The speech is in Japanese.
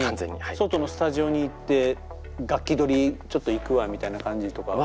外のスタジオに行って楽器どりちょっと行くわみたいな感じとかは？